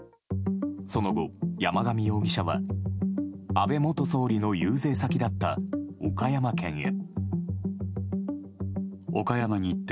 その後、山上容疑者は安倍元総理の遊説先だった岡山県へ。